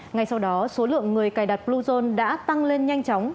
ngay sau đó số lượng người cài đặt bluezone đã tăng lên nhanh chóng